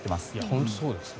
本当にそうですね。